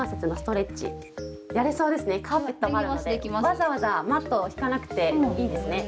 わざわざマットを敷かなくていいですね。